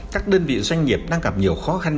các đơn vị doanh nghiệp đang gặp nhiều khó khăn